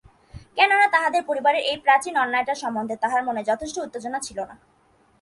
কেননা তাহাদের পরিবারের এই প্রাচীন অন্যায়টা সম্বন্ধে তাহার মনে যথেষ্ট উত্তেজনা ছিল না।